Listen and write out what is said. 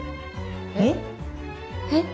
えっ？えっ？